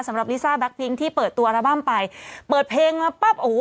สำหรับลิซ่าแบล็คติ้งที่เปิดตัวอัลบั้มไปเปิดเพลงมาปั๊บโอ้โห